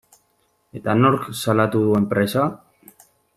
Eta nork salatu du enpresa?